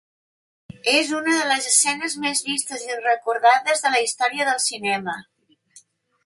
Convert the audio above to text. És una de les escenes més vistes i recordades de la història del cinema.